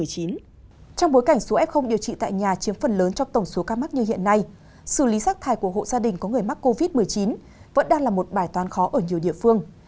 trong bối cảnh số f điều trị tại nhà chiếm phần lớn trong tổng số ca mắc như hiện nay xử lý rác thải của hộ gia đình có người mắc covid một mươi chín vẫn đang là một bài toán khó ở nhiều địa phương